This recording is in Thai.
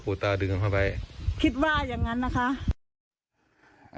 ตาดึงเข้าไปคิดว่าอย่างงั้นนะคะ